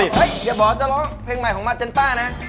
เฮ้ยอย่าบอกจะร้องเพลงใหม่ของมาเจนต้านะ